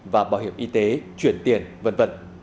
và bảo hiểm y tế chuyển tiền v v